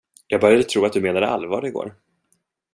Jag börjar tro att du menade allvar i går.